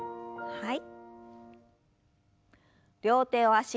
はい。